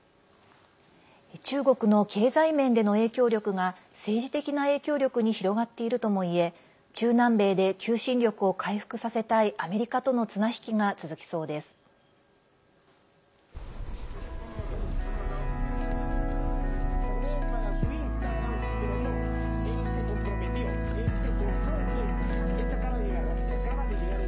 中国の経済面での影響力が政治的な影響力に広がってるともいえ中南米で求心力を回復させたいアメリカとの綱引きが続きそうです。